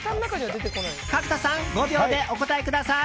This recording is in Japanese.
角田さん、５秒でお答えください。